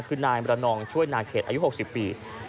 คือนายมรนองช่วยนาเขตอายุ๖๐ปี